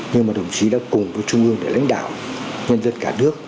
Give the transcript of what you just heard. nhưng mà đồng chí đã cùng với trung ương để lãnh đạo nhân dân cả nước